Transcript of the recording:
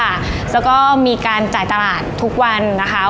แล้วก็มีการจ่ายตลาดทุกวันนะคะ